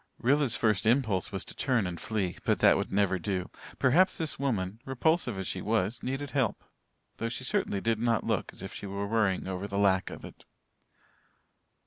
Rilla's first impulse was to turn and flee. But that would never do. Perhaps this woman, repulsive as she was, needed help though she certainly did not look as if she were worrying over the lack of it.